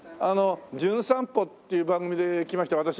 あの『じゅん散歩』っていう番組で来ました